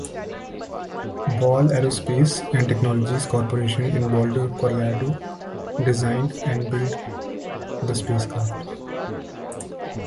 Ball Aerospace and Technologies Corporation in Boulder, Colorado, designed and built the spacecraft.